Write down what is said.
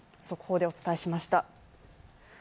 速報でお伝えしました。